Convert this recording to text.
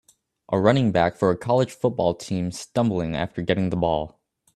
A running back for a college football team stumbling after getting the ball